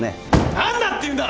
何だっていうんだ！